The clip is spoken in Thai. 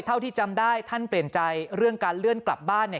เท่าที่จำได้ท่านเปลี่ยนใจเรื่องการเลื่อนกลับบ้านเนี่ย